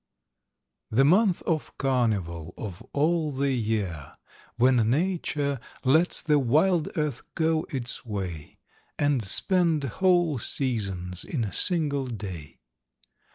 The month of carnival of all the year, When Nature lets the wild earth go its way, And spend whole seasons on a single day.